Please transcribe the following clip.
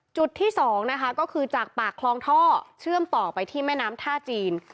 จุดที่สองนะคะก็คือจากปากคลองท่อเชื่อมต่อไปที่แม่น้ำท่าจีน